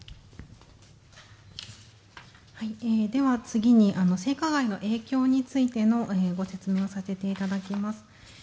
次に性加害の影響についてのご説明をさせていただきます。